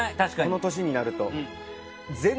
この年になると。